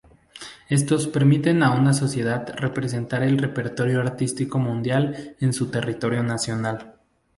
Estos permiten a una sociedad representar el repertorio artístico mundial en su territorio nacional.